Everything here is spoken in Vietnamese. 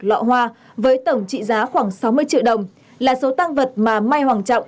lọ hoa với tổng trị giá khoảng sáu mươi triệu đồng là số tăng vật mà mai hoàng trọng